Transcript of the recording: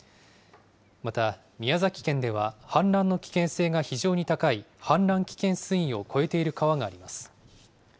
また、宮崎県では氾濫の危険性が非常に高い、氾濫危険水位を超えている川があります。